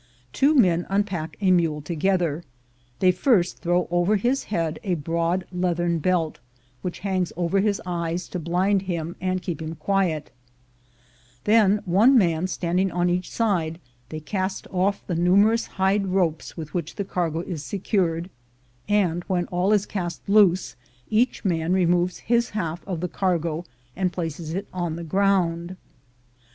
Two men unpack a mule together. They first throw over his head a broad leathern belt, which hangs over his eyes to blind him and keep him quiet; then, one man standing on each side, they cast off the numerous hide ropes with which the cargo is secured ; and when all is cast loose, each man removes his half of the cargo and places it on the ground.